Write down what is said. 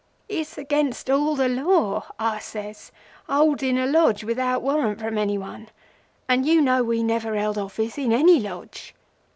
"'It's against all the law,' I says, 'holding a Lodge without warrant from any one; and we never held office in any Lodge.